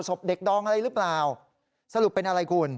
ศพเด็กดองอะไรหรือเปล่าสรุปเป็นอะไรคุณ